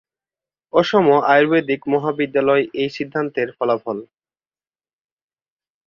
অসম আয়ুর্বেদিক মহাবিদ্যালয় এই সিদ্ধান্তের ফলাফল।